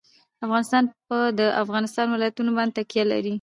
افغانستان په د افغانستان ولايتونه باندې تکیه لري.